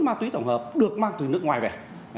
ma túy tổng hợp được mang từ nước ngoài về